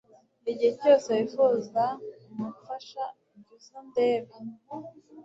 igihe cyose wifuza umufasha jya uza undebe